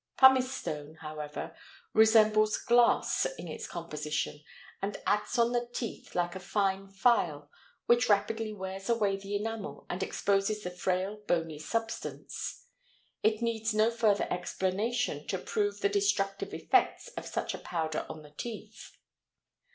Pumice stone, however, resembles glass in its composition and acts on the teeth like a fine file which rapidly wears away the enamel and exposes the frail bony substance. It needs no further explanation to prove the destructive effects of such a powder on the teeth.